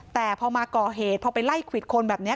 แต่พอมาก่อเหตุพอไปไล่ควิดคนแบบนี้